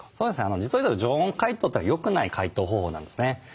実を言うと常温解凍というのはよくない解凍方法なんですね。